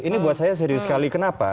ini buat saya serius sekali kenapa